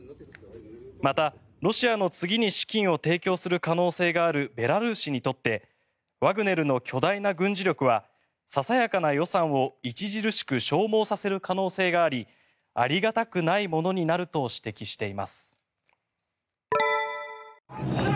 またロシアの次に資金を提供する可能性があるベラルーシにとってワグネルの巨大な軍事力はささやかな予算を著しく消耗させる可能性がありありがたくないものになると指摘しています。